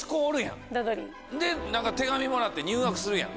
手紙もらって入学するやん。